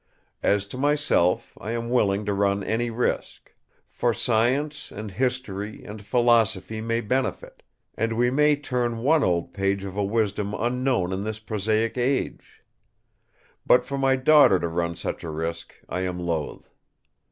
As to myself, I am willing to run any risk. For science, and history, and philosophy may benefit; and we may turn one old page of a wisdom unknown in this prosaic age. But for my daughter to run such a risk I am loth.